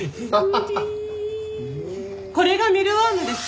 これがミルワームです！